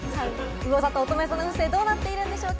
うお座と、おとめ座の運勢は、どうなっているんでしょうか？